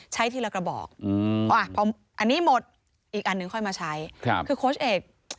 ทีละกระบอกพออันนี้หมดอีกอันหนึ่งค่อยมาใช้คือโค้ชเอก